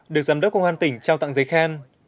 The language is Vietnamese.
được giám đốc công an tỉnh trao tặng giấy khen